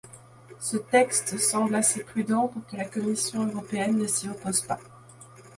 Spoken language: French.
Ce texte semble assez prudent pour que la Commission européenne ne s'y oppose pas.